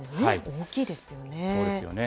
大きいですよね。